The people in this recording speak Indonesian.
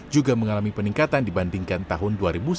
juga mengalami peningkatan dibandingkan tahun dua ribu sembilan belas